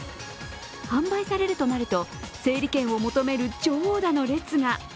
販売されるとなると整理券を求める長蛇の列が。